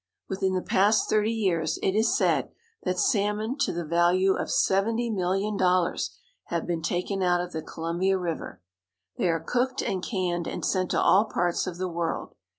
Within the past thirty years it is said that salmon to the value of seventy million dollars have been taken out of the Columbia River. They are cooked and canned and sent to all parts of the world.'